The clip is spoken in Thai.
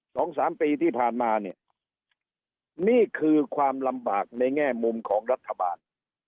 สองสามปีที่ผ่านมาเนี่ยนี่คือความลำบากในแง่มุมของรัฐบาล